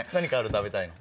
食べたいもの。